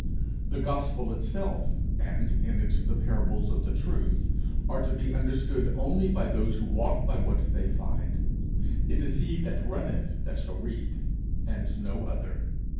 The gospel itself, and in it the parables of the Truth, are to be understood only by those who walk by what they find. It is he that runneth that shall read, and no other.